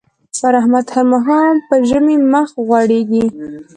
پر احمد هر ماښام په ژمي مخ غوړېږي.